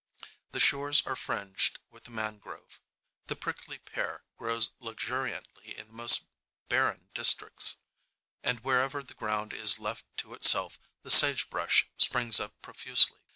The shores are fringed with the mangrove; the prickly pear grows luxuriantly in the most barren districts; and wherever the ground is left to itself the sage bush springs up profusely.